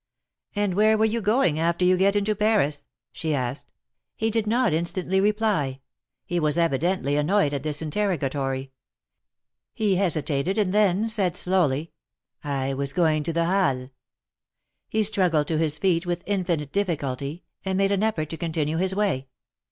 '^And where were you going after you get into Paris?" she asked. 24 THE MARKETS OF PARIS. He did not instantly reply ; he was evidently annoyed at this interrogatory. He hesitated, and then said, slowly: I was going to the Halles." He struggled to his feet with infinite difficulty, and made an effort to continue his way.